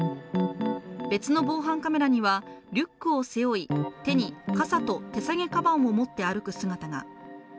別の防犯カメラにはリュックを背負い、手に傘と手提げかばんを持って歩く姿が。